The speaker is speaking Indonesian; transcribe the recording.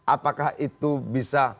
apakah itu bisa